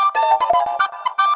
kau mau kemana